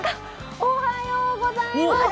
おはようございます。